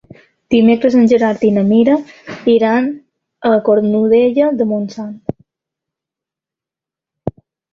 Dimecres en Gerard i na Mira iran a Cornudella de Montsant.